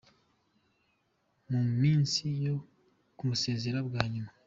Mu misa yo kumusezera bwa nyuma.